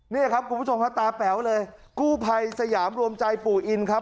นี่ครับคุณผู้ชมฮะตาแป๋วเลยกู้ภัยสยามรวมใจปู่อินครับ